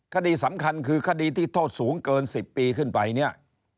คดีสำคัญคือคดีที่โทษสูงเกิน๑๐ปีขึ้นไปเนี่ย